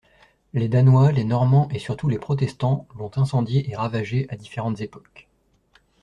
Les Danois, les Normands et surtout les Protestants l'ont incendiée et ravagée à différentes époques.